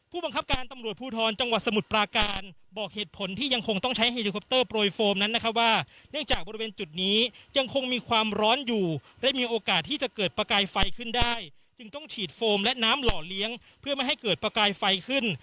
ผู้บังคับการตำรวจภูทรจังหวัดสมุทรปราการบอกเหตุผลที่ยังคงต้องใช้เฮลิคอปเตอร์โปรยโฟมนั้นนะครับว่าเนื่องจากบริเวณจุดนี้ยังคงมีความร้อนอยู่และมีโอกาสที่จะเกิดประกายไฟขึ้นได้จึงต้องฉีดโฟมและน้ำหล่อเลี้ยงเพื่อไม่ให้เกิดประกายไฟขึ้น